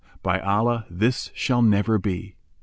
By Allah, this shall never be!"